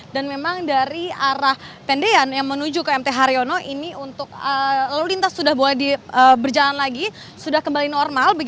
dan memang dari arah tendian yang menuju ke mt haryono ini untuk lalu lintas sudah berjalan lagi sudah kembali normal